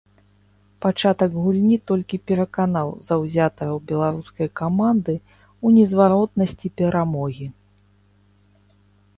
Пачатак гульні толькі пераканаў заўзятараў беларускай каманды ў незваротнасці перамогі.